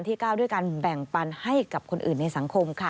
๙ด้วยการแบ่งปันให้กับคนอื่นในสังคมค่ะ